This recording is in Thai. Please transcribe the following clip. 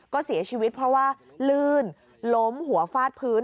ก็เสียชีวิตเพราะว่าลื่นล้มหัวฟาดพื้น